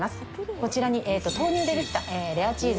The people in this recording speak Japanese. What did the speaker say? こちらに豆乳でできたレアチーズ